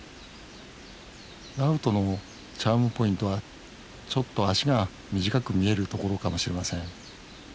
ラウトのチャームポイントはちょっと脚が短く見えるところかもしれません。